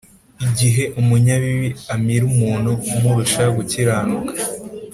igihe umunyabibi amira umuntu umurusha gukiranuka,